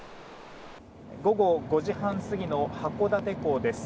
午後５時半過ぎの函館港です。